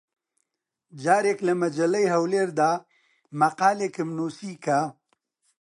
جارێک لە مەجەللەی هەولێر دا مەقالێکم نووسی کە: